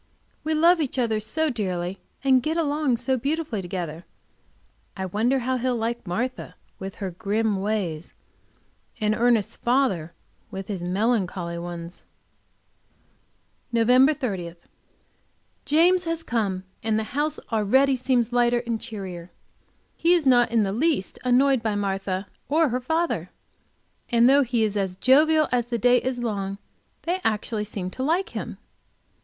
We love each other so dearly, and get along so beautifully together I wonder how he'll like Martha with her grim ways, and Ernest's father with his melancholy ones. Nov. 30. James has come, and the house already seems lighter and cheerier. He is not in the least annoyed by Martha or her father, and though he is as jovial as the day is long, they actually seem to like him.